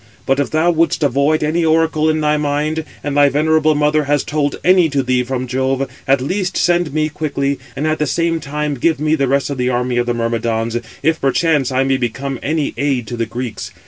But if thou wouldst avoid any oracle in thy mind, and thy venerable mother has told any to thee from Jove, at least send me quickly, and at the same time give me the rest of the army of the Myrmidons, if perchance I may become any aid to the Greeks.